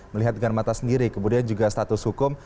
melihat dengan mata sendiri kemudian juga status hukum